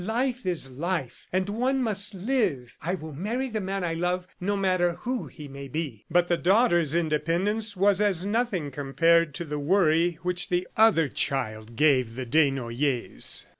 "Life is life, and one must live! ... I will marry the man I love, no matter who he may be. ..." But the daughter's independence was as nothing compared to the worry which the other child gave the Desnoyers.